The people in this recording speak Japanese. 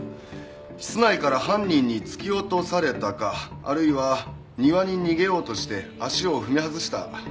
室内から犯人に突き落とされたかあるいは庭に逃げようとして足を踏み外した可能性があります。